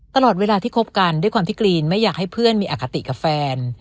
ตลอดเวลาที่คบกันด้วยความที่กรีนไม่อยากให้เพื่อนมีอคติกับแฟน